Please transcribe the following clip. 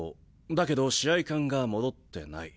だけど試合勘が戻ってない。